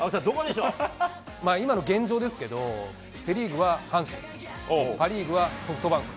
今の現状ですけど、セ・リーグは阪神、パ・リーグはソフトバンク。